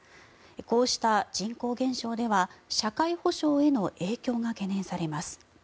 こうした人口減少では社会保障への影響が懸念されます。